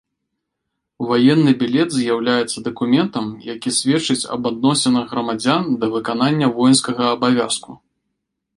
Ваенны білет з'яўляецца дакументам, які сведчыць аб адносінах грамадзян да выканання воінскага абавязку.